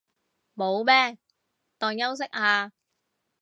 冇咩，當休息下